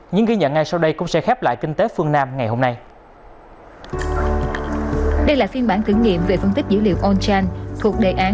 những ghi nhận ngay sau đây cũng sẽ khép lại kinh tế phương nam ngày hôm nay